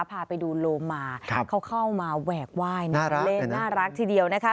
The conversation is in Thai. พาไปดูโลมาเขาเข้ามาแวกไหว้น่ารักทีเดียวนะคะ